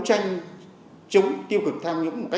thì chúng ta sẽ phải tạo ra những nội dung